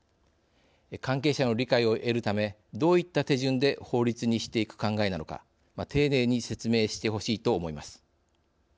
関係者の理解を得るためどういった手順で法律にしていく考えなのか丁寧に説明してほしいと思います。